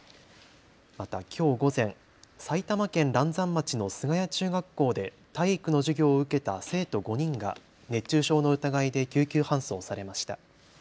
またきょう午前、埼玉県嵐山町の菅谷中学校で体育の授業を受けた生徒５人が熱中症の疑いで救急搬送されました。